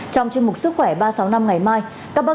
trong chương mục sức khỏe ba trăm sáu mươi năm ngày mai